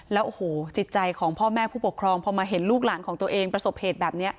แล้วโอ้โหจิตใจของพ่อแม่ผู้ปกครองพอมาเห็นลูกหลานของตัวเองประสบเหตุแบบนี้